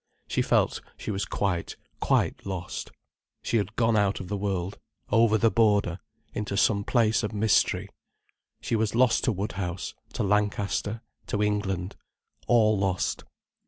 She felt she was quite, quite lost. She had gone out of the world, over the border, into some place of mystery. She was lost to Woodhouse, to Lancaster, to England—all lost.